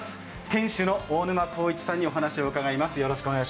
店主の大沼幸市さんにお話を伺います。